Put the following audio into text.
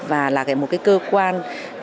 và là một cái cơ quan